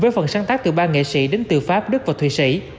với phần sáng tác từ ba nghệ sĩ đến từ pháp đức và thụy sĩ